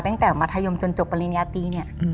ตั้งแต่มัธยมจนจบปริญญาตีเนี่ย